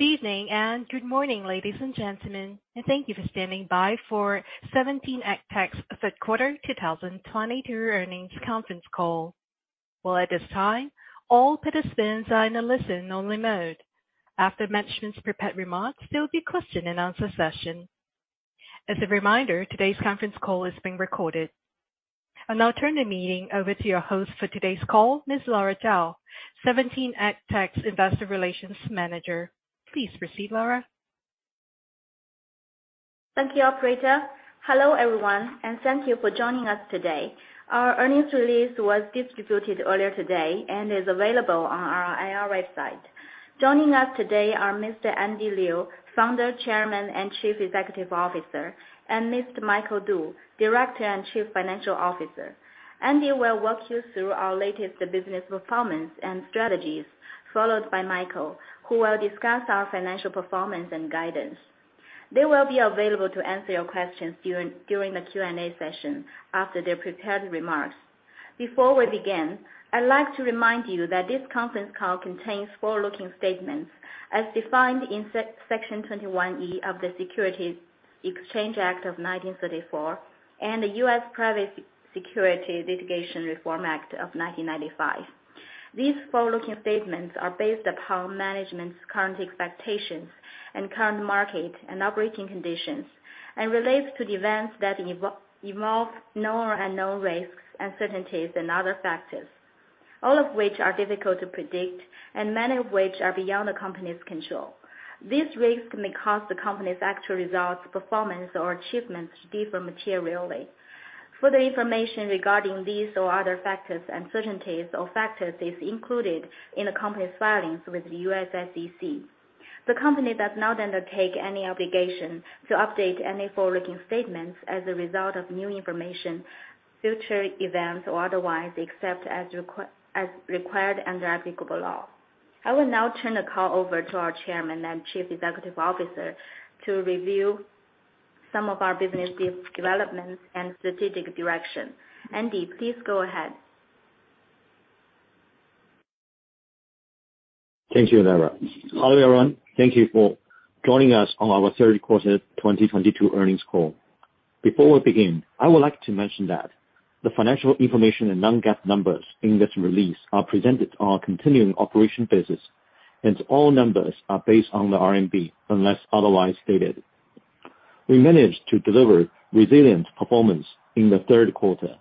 Good evening and good morning, ladies and gentlemen, and thank you for standing by for 17EdTech's Third Quarter 2022 Earnings Conference Call. Well, at this time, all participants are in a listen only mode. After management's prepared remarks, there will be question and answer session. As a reminder, today's conference call is being recorded. I'll now turn the meeting over to your host for today's call, Ms. Lara Zhao, 17EdTech's Investor Relations Manager. Please proceed, Lara. Thank you, Operator. Hello, everyone, thank you for joining us today. Our earnings release was distributed earlier today and is available on our IR website. Joining us today are Mr. Andy Liu, Founder, Chairman, and Chief Executive Officer, and Mr. Michael Du, Director and Chief Financial Officer. Andy will walk you through our latest business performance and strategies, followed by Michael, who will discuss our financial performance and guidance. They will be available to answer your questions during the Q&A session after their prepared remarks. Before we begin, I'd like to remind you that this conference call contains forward-looking statements as defined in section 21E of the Securities Exchange Act of 1934 and the U.S. Private Securities Litigation Reform Act of 1995. These forward-looking statements are based upon management's current expectations and current market and operating conditions and relates to events that involve known and unknown risks, uncertainties and other factors, all of which are difficult to predict and many of which are beyond the company's control. These risks may cause the company's actual results, performance or achievements to differ materially. Further information regarding these or other factors, uncertainties or factors is included in the company's filings with the U.S. SEC. The company does not undertake any obligation to update any forward-looking statements as a result of new information, future events or otherwise, except as required under applicable law. I will now turn the call over to our Chairman and Chief Executive Officer to review some of our business developments and strategic direction. Andy, please go ahead. Thank you, Lara. Hello, everyone. Thank you for joining us on our third quarter 2022 earnings call. Before we begin, I would like to mention that the financial information and non-GAAP numbers in this release are presented on a continuing operation basis, and all numbers are based on the RMB unless otherwise stated. We managed to deliver resilient performance in the third quarter.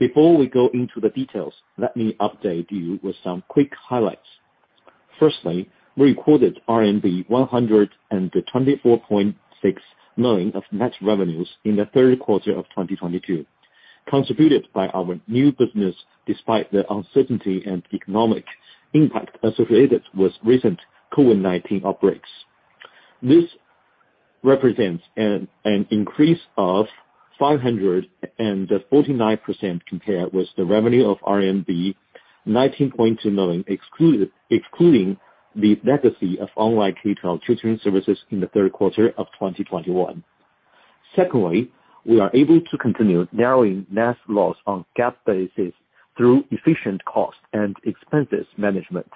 Before we go into the details, let me update you with some quick highlights. Firstly, we recorded RMB 124.6 million of net revenues in the third quarter of 2022, contributed by our new business despite the uncertainty and economic impact associated with recent COVID-19 outbreaks. This represents an increase of 549% compared with the revenue of RMB 19.2 million excluding the legacy of online K-12 tutoring services in the third quarter of 2021. Secondly, we are able to continue narrowing net loss on GAAP basis through efficient cost and expenses management,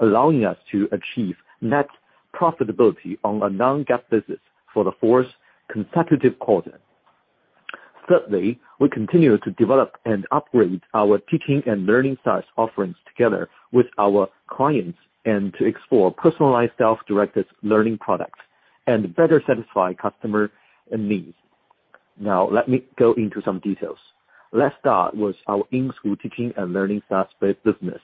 allowing us to achieve net profitability on a non-GAAP basis for the fourth consecutive quarter. Thirdly, we continue to develop and upgrade our teaching and learning SaaS offerings together with our clients and to explore personalized self-directed learning products and better satisfy customer needs. Now, let me go into some details. Let's start with our in-school teaching and learning SaaS-based business.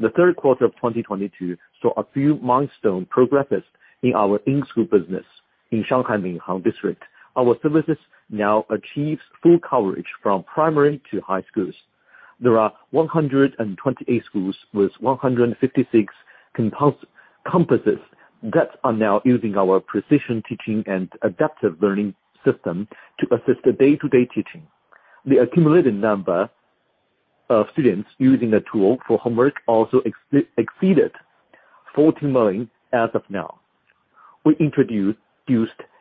The third quarter of 2022 saw a few milestone progresses in our in-school business in Shanghai Minhang District. Our services now achieves full coverage from primary to high schools. There are 128 schools with 156 campuses that are now using our precision teaching and adaptive learning system to assist the day-to-day teaching. The accumulated number of students using the tool for homework also exceeded 40 million as of now. We introduced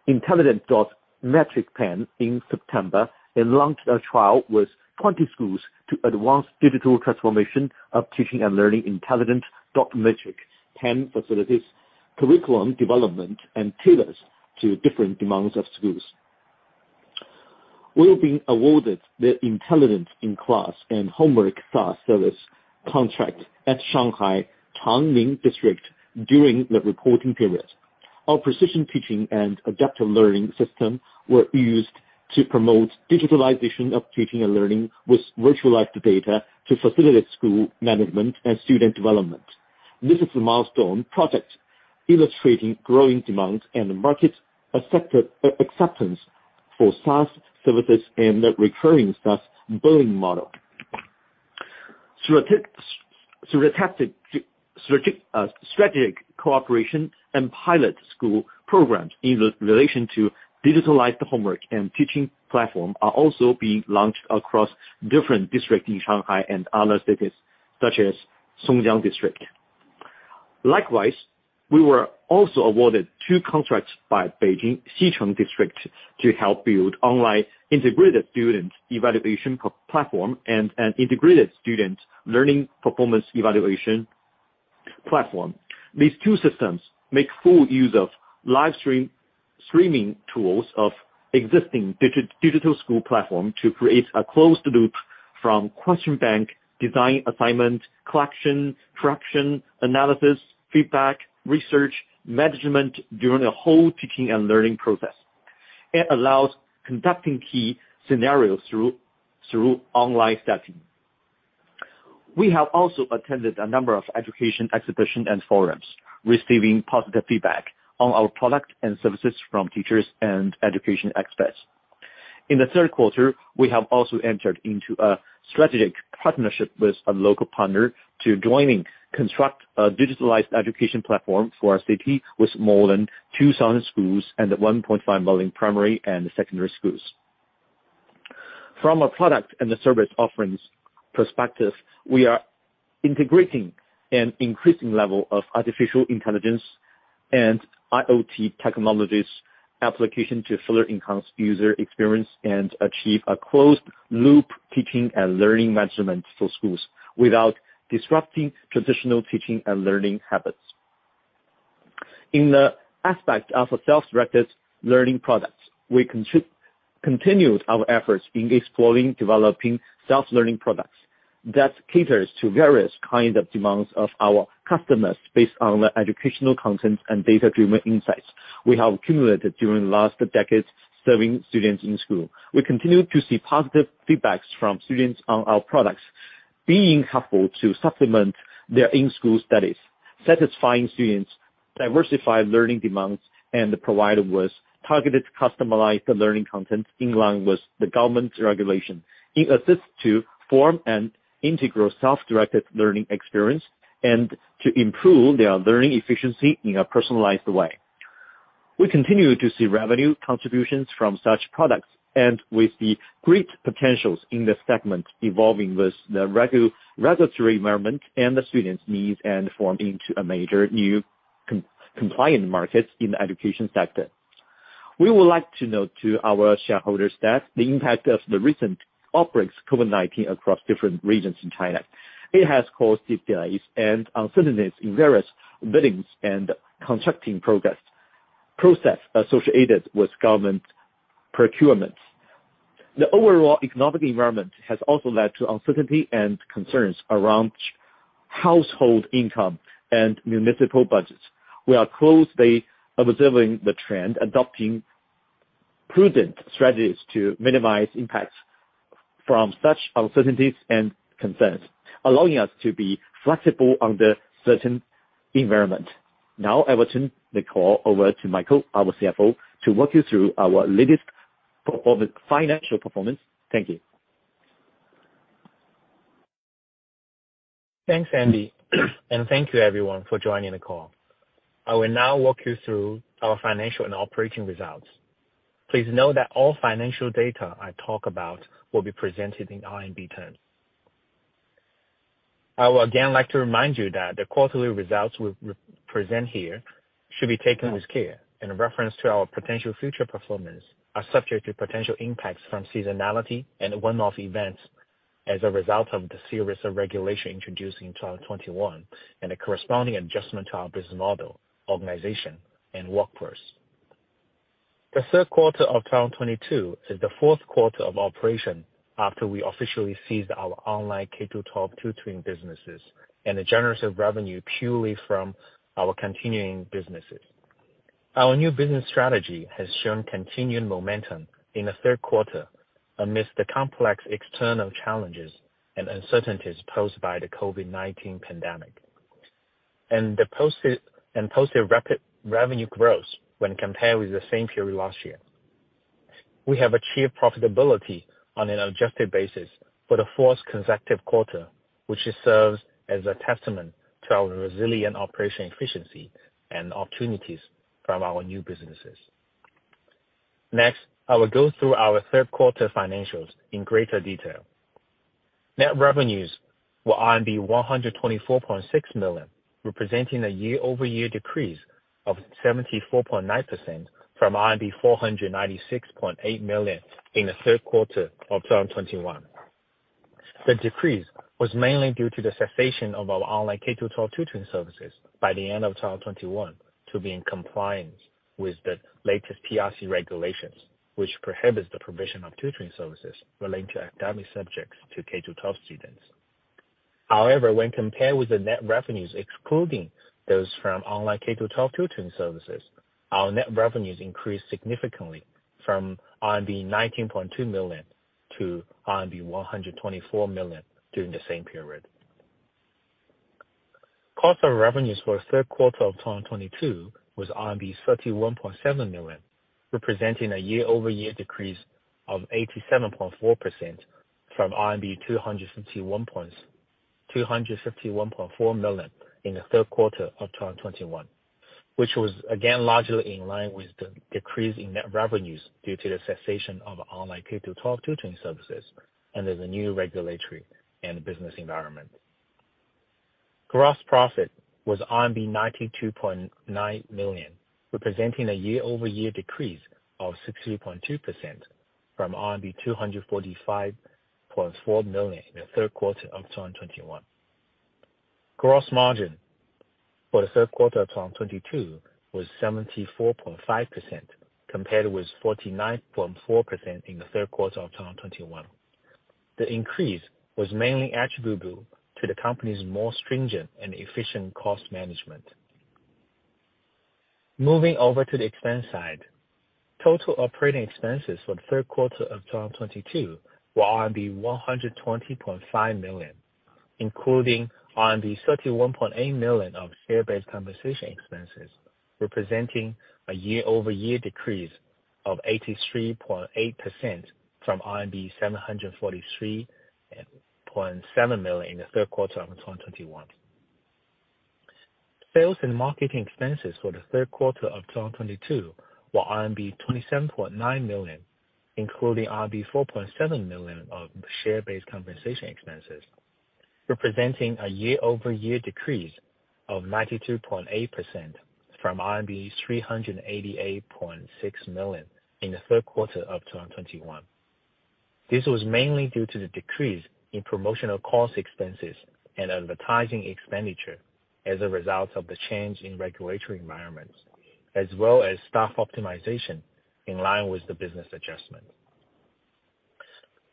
intelligent dot matrix pen in September and launched a trial with 20 schools to advance digital transformation of teaching and learning. Intelligent dot matrix pen facilities, curriculum development, and tailors to different demands of schools. We've been awarded the Intelligent in-class and homework SaaS service contract at Shanghai Changning District during the reporting period. Our precision teaching and adaptive learning system were used to promote digitalization of teaching and learning with virtualized data to facilitate school management and student development. This is a milestone project illustrating growing demand and market acceptance for SaaS services and the recurring SaaS billing model. Through a strategic cooperation and pilot school programs in relation to digitalized homework and teaching platform are also being launched across different districts in Shanghai and other cities such as Songjiang District. Likewise, we were also awarded two contracts by Beijing Xicheng District to help build online integrated student evaluation platform and an integrated student learning performance evaluation platform. These two systems make full use of live stream, streaming tools of existing digital school platform to create a closed loop from question bank, design assignment, collection, traction, analysis, feedback, research, management during the whole teaching and learning process. It allows conducting key scenarios through online setting. We have also attended a number of education exhibition and forums, receiving positive feedback on our product and services from teachers and education experts. In the third quarter, we have also entered into a strategic partnership with a local partner to joining construct a digitalized education platform for our city with more than 2,000 schools and 1.5 million primary and secondary schools. From a product and a service offerings perspective, we are integrating an increasing level of artificial intelligence and IoT technologies application to further enhance user experience and achieve a closed-loop teaching and learning management for schools without disrupting traditional teaching and learning habits. In the aspect of the self-directed learning products, we continued our efforts in exploring developing self-learning products that caters to various kind of demands of our customers based on the educational content and data-driven insights we have accumulated during last decades serving students in school. We continue to see positive feedbacks from students on our products being helpful to supplement their in-school studies, satisfying students' diversified learning demands and provide with targeted, customized learning content in line with the government's regulation. It assists to form an integral self-directed learning experience and to improve their learning efficiency in a personalized way. We continue to see revenue contributions from such products with the great potentials in the segment evolving with the regulatory environment and the students' needs and form into a major new compliant market in the education sector. We would like to note to our shareholders that the impact of the recent outbreaks COVID-19 across different regions in China, it has caused delays and uncertainties in various biddings and constructing process associated with government procurements. The overall economic environment has also led to uncertainty and concerns around household income and municipal budgets. We are closely observing the trend, adopting prudent strategies to minimize impacts from such uncertainties and concerns, allowing us to be flexible under certain environment. I will turn the call over to Michael, our CFO, to walk you through our latest performance, financial performance. Thank you. Thanks, Andy. Thank you everyone for joining the call. I will now walk you through our financial and operating results. Please know that all financial data I talk about will be presented in RMB terms. I would again like to remind you that the quarterly results we present here should be taken with care in reference to our potential future performance are subject to potential impacts from seasonality and one-off events as a result of the series of regulation introduced in 2021, and a corresponding adjustment to our business model, organization, and workforce. The third quarter of 2022 is the fourth quarter of operation after we officially ceased our online K-12 tutoring businesses and the generation of revenue purely from our continuing businesses. Our new business strategy has shown continued momentum in the third quarter amidst the complex external challenges and uncertainties posed by the COVID-19 pandemic. Posted rapid revenue growth when compared with the same period last year. We have achieved profitability on an adjusted basis for the fourth consecutive quarter, which serves as a testament to our resilient operation efficiency and opportunities from our new businesses. Next, I will go through our third quarter financials in greater detail. Net revenues were 124.6 million, representing a year-over-year decrease of 74.9% from RMB 496.8 million in the third quarter of 2021. The decrease was mainly due to the cessation of our online K-12 tutoring services by the end of 2021 to be in compliance with the latest PRC regulations, which prohibits the provision of tutoring services relating to academic subjects to K-12 students. When compared with the net revenues excluding those from online K-12 tutoring services, our net revenues increased significantly from RMB 19.2 million to RMB 124 million during the same period. Cost of revenues for the third quarter of 2022 was RMB 31.7 million, representing a year-over-year decrease of 87.4% from 251.4 million in the third quarter of 2021, which was again largely in line with the decrease in net revenues due to the cessation of online K-12 tutoring services under the new regulatory and business environment. Gross profit was RMB 92.9 million, representing a year-over-year decrease of 60.2% from RMB 245.4 million in the third quarter of 2021. Gross margin for the third quarter of 2022 was 74.5% compared with 49.4% in the third quarter of 2021. The increase was mainly attributable to the company's more stringent and efficient cost management. Moving over to the expense side. Total operating expenses for the third quarter of 2022 were 120.5 million, including 31.8 million of share-based compensation expenses, representing a year-over-year decrease of 83.8% from RMB 743.7 million in the third quarter of 2021. Sales and marketing expenses for the third quarter of 2022 were RMB 27.9 million, including RMB 4.7 million of share-based compensation expenses, representing a year-over-year decrease of 92.8% from RMB 388.6 million in the third quarter of 2021. This was mainly due to the decrease in promotional cost expenses and advertising expenditure as a result of the change in regulatory environments as well as staff optimization in line with the business adjustment.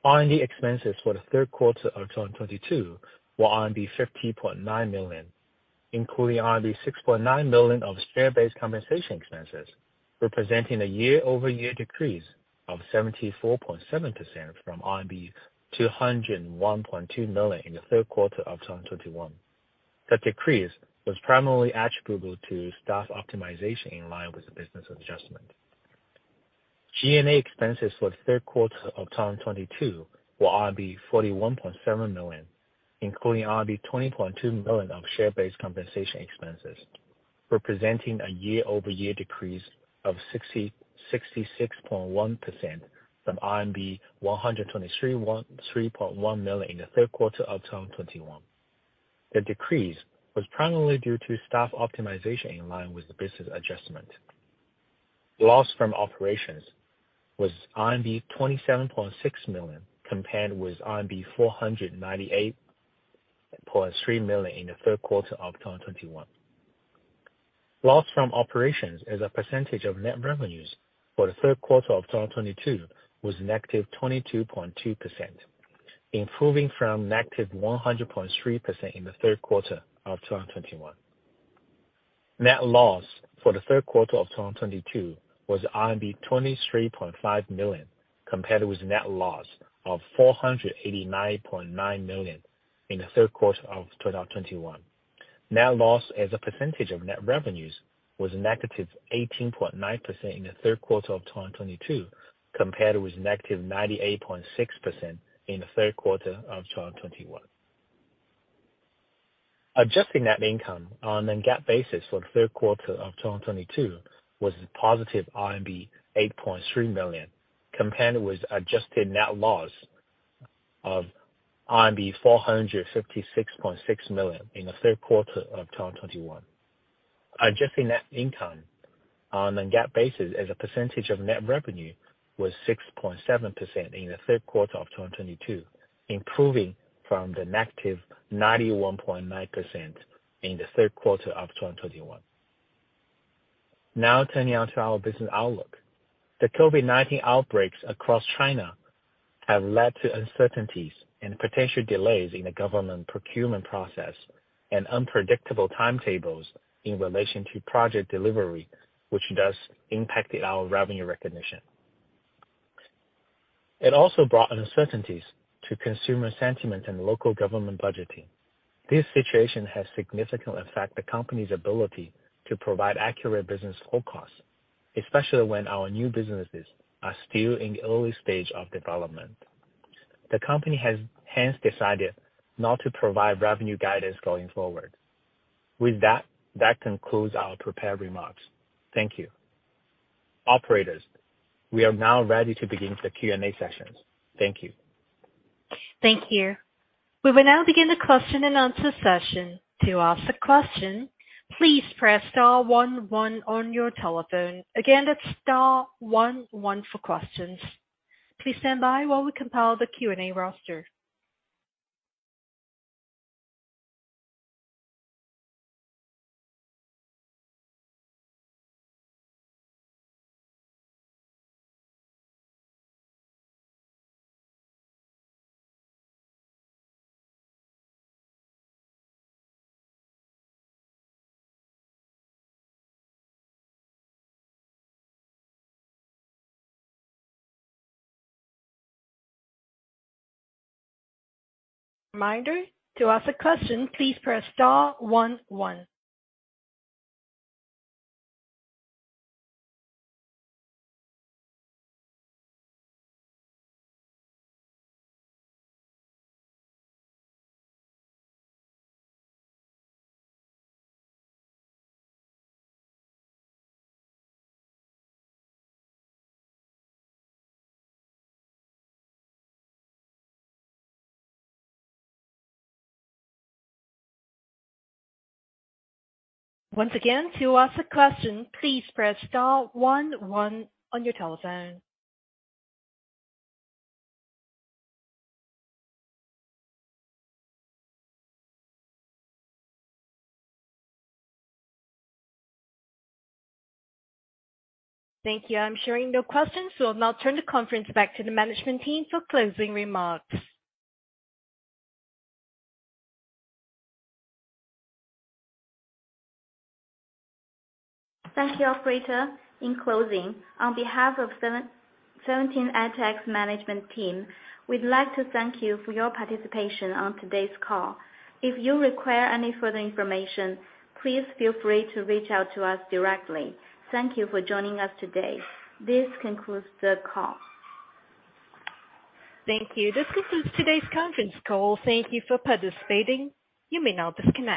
R&D expenses for the third quarter of 2022 were 50.9 million, including 6.9 million of share-based compensation expenses, representing a year-over-year decrease of 74.7% from RMB 201.2 million in the third quarter of 2021. That decrease was primarily attributable to staff optimization in line with the business adjustment. G&A expenses for the third quarter of 2022 were 41.7 million, including 20.2 million of share-based compensation expenses, representing a year-over-year decrease of 66.1% from RMB 123.1 million in the third quarter of 2021. The decrease was primarily due to staff optimization in line with the business adjustment. Loss from operations was RMB 27.6 million, compared with RMB 498.3 million in the third quarter of 2021. Loss from operations as a percentage of net revenues for the third quarter of 2022 was -22.2%, improving from -100.3% in the third quarter of 2021. Net loss for the third quarter of 2022 was RMB 23.5 million, compared with net loss of 489.9 million in the third quarter of 2021. Net loss as a percentage of net revenues was -18.9% in the third quarter of 2022, compared with -98.6% in the third quarter of 2021. Adjusted net income on a non-GAAP basis for the third quarter of 2022 was +8.3 million RMB, compared with adjusted net loss of RMB 456.6 million in the third quarter of 2021. Adjusted net income on a non-GAAP basis as a percentage of net revenue was 6.7% in the third quarter of 2022, improving from the negative 91.9% in the third quarter of 2021. Turning on to our business outlook. The COVID-19 outbreaks across China have led to uncertainties and potential delays in the government procurement process and unpredictable timetables in relation to project delivery, which does impact our revenue recognition. It also brought uncertainties to consumer sentiment and local government budgeting. This situation has significantly affect the company's ability to provide accurate business forecasts, especially when our new businesses are still in the early stage of development. The company has hence decided not to provide revenue guidance going forward. With that concludes our prepared remarks. Thank you. Operators, we are now ready to begin the Q&A sessions. Thank you. Thank you. We will now begin the question and answer session. To ask a question, please press star one one on your telephone. Again, that's star one one for questions. Please stand by while we compile the Q&A roster. Reminder: to ask a question, please press star one one. Once again: to ask a question, please press star one one on your telephone. Thank you. I'm showing no questions, so I'll now turn the conference back to the management team for closing remarks. Thank you, operator. In closing, on behalf of 17EdTech's management team, we'd like to thank you for your participation on today's call. If you require any further information, please feel free to reach out to us directly. Thank you for joining us today. This concludes the call. Thank you. This concludes today's conference call. Thank you for participating. You may now disconnect.